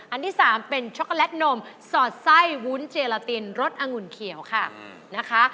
อันที่๓เป็นช็อกโกแลตนมสอดไส้วุ้นเจลาตินรสองุ่นเขียวค่ะนะคะ